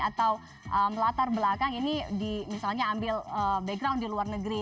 atau melatar belakang ini misalnya ambil background di luar negeri